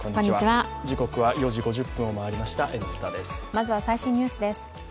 まずは最新ニュースです。